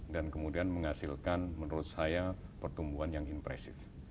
dan kemudian menghasilkan menurut saya pertumbuhan yang impresif